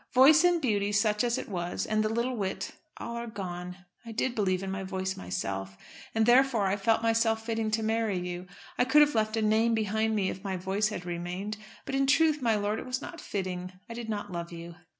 Voice and beauty, such as it was, and the little wit, are all gone. I did believe in my voice myself, and therefore I felt myself fitting to marry you. I could have left a name behind me if my voice had remained. But, in truth, my lord, it was not fitting. I did not love you."